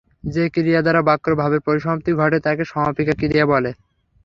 যে ক্রিয়া দ্বারা বাক্যের ভাবের পরিসমাপ্তি ঘটে থাকে সমাপিকা ক্রিয়া বলে।